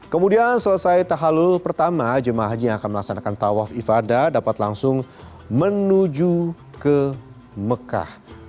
kemudian selesai tahalul pertama jemaah haji yang akan melaksanakan tawaf ibadah dapat langsung menuju ke mekah